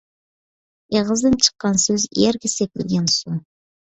ئېغىزدىن چىققان سۆز – يەرگە سېپىلگەن سۇ.